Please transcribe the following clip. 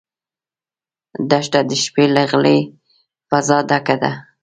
دښته د شپې له غلې فضا ډکه ده.